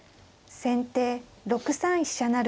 先手６三飛車成。